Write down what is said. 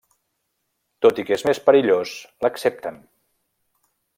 Tot i que és més perillós, l'accepten.